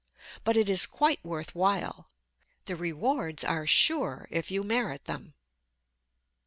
But it is quite worth while. The rewards are sure if you merit them.